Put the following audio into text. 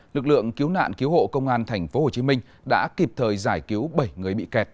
lực lượng cứu nạn cứu hộ công an tp hcm đã kịp thời giải cứu bảy người bị kẹt